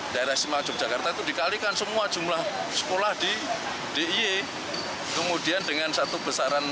di daerah semangat yogyakarta itu dikalikan semua jumlah sekolah di dia kemudian dengan satu besaran